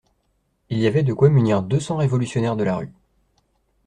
Il y avait de quoi munir deux cents révolutionnaires de la rue.